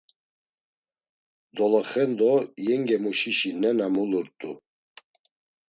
Doloxendo yengemuşişi nena mulurt̆u.